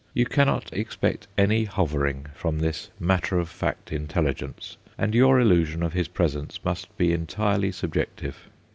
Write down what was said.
You cannot expect any hovering from this matter of fact intelligence, and your illusion of his presence must be entirely subjective.